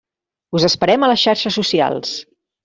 Us esperem a les xarxes socials!